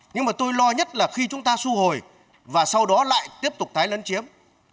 nhưng mà tôi lo nhất là khi chúng ta thu hồi và sau đó lại tiếp tục thái lấn chiếm